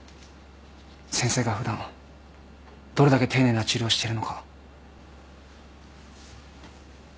先生が普段どれだけ丁寧な治療してるのか。